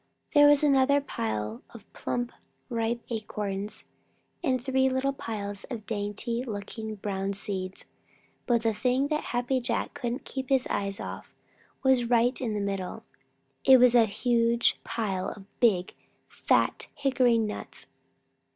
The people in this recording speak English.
There was another pile of plump ripe acorns, and three little piles of dainty looking brown seeds. But the thing that Happy Jack couldn't keep his eyes off was right in the middle. It was a huge pile of big, fat hickory nuts.